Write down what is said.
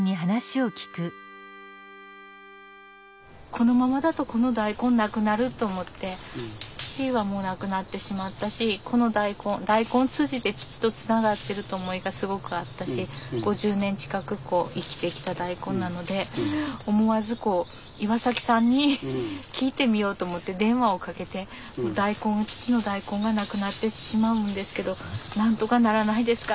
このままだとこの大根なくなると思って父はもう亡くなってしまったしこの大根大根通じて父とつながってると思いがすごくあったし５０年近く生きてきた大根なので思わずこう岩さんに聞いてみようと思って電話をかけて大根父の大根がなくなってしまうんですけどなんとかならないですか？